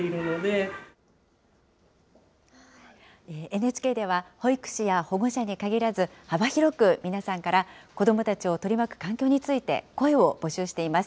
ＮＨＫでは、保育士や保護者に限らず、幅広く皆さんから、子どもたちを取り巻く環境について、声を募集しています。